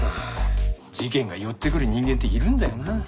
事件が寄ってくる人間っているんだよな。